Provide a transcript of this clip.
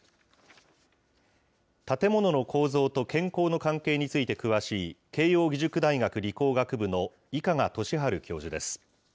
建物の構造と健康の関係について詳しい慶應義塾大学理工学部の伊香賀俊治教授です。